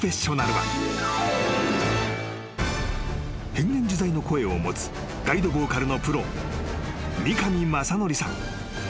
［変幻自在の声を持つガイドボーカルのプロ三上雅則さん］